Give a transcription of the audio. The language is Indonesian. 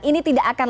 ini tidak akan